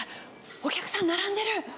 お客さん、並んでる。